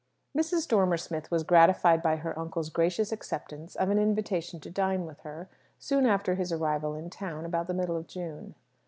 Mrs. Dormer Smith was gratified by her uncle's gracious acceptance of an invitation to dine with her, soon after his arrival in town, about the middle of June.